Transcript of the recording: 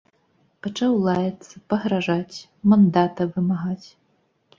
Пачаў лаяцца, пагражаць, мандата вымагаць.